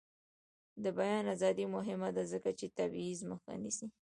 د بیان ازادي مهمه ده ځکه چې د تبعیض مخه نیسي.